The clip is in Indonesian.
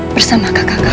bersama kakak kamu